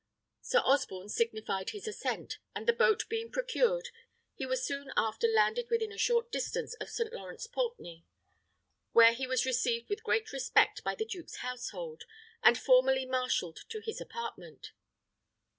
Sir Osborne signified his assent, and the boat being procured, he was soon after landed within a short distance of St. Lawrence Poulteney, where he was received with great respect by the duke's household, and formally marshalled to his apartment.